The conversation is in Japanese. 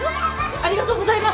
ありがとうございます！